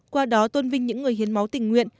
qua đó tôn vinh những người hiến máu tình nguyện